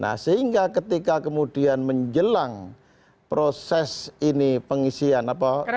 nah sehingga ketika kemudian menjelang proses ini pengisian